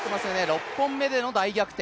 ６本目からの大逆転。